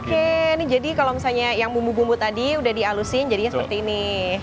oke ini jadi kalau misalnya yang bumbu bumbu tadi udah dihalusin jadinya seperti ini